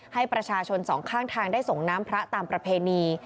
ให้ประชาชนสองข้างทางได้ส่งน้ำพระตามประเพณี